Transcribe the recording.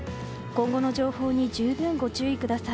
今後の情報に十分ご注意ください。